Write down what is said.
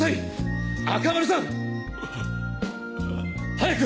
早く！